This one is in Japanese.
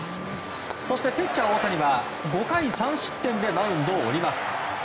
そしてピッチャー大谷は５回３失点でマウンドを降ります。